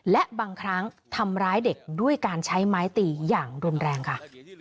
และบางครั้งทำร้ายเด็กด้วยการใช้ไม้ตีอย่างรุนแรงค่ะ